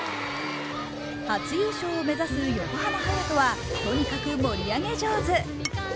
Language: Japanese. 初優勝を目指す横浜隼人はとにかく盛り上げ上手。